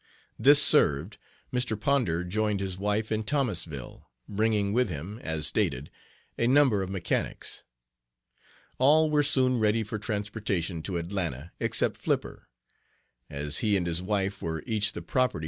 This served, Mr. Ponder joined his wife in Thomasville, bringing with him, as stated, a number of mechanics. All were soon ready for transportation to Atlanta except "Flipper." As he and his wife were each the property